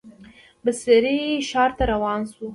بصرې ښار ته روان شو.